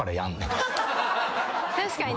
確かに。